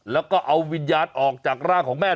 แล้วก็เอาวิญญาณออกจากร่างของแม่